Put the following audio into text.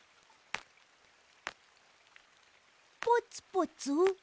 ポツポツ？